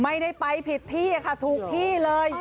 ไม่ได้ไปผิดที่ค่ะถูกที่เลย